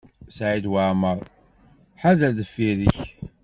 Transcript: Saɛid Waɛmaṛ, ḥader deffir-k!